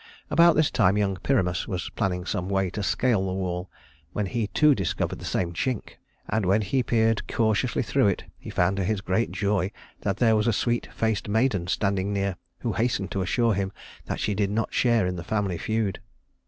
About this time young Pyramus was planning some way to scale the wall, when he, too, discovered the same chink; and when he peered cautiously through it, he found to his great joy that there was a sweet faced maiden standing near, who hastened to assure him that she did not share in the family feud.